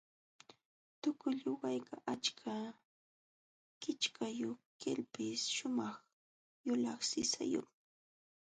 Tuqulluwaykaq achka kichkayuq kalpis shumaq yulaq sisayuqmi.